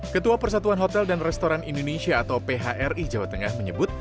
ketua persatuan hotel dan restoran indonesia atau phri jawa tengah menyebut